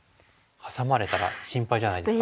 ハサまれたら心配じゃないですか？